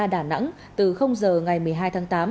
đà nẵng từ giờ ngày một mươi hai tháng tám